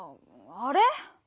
あれ？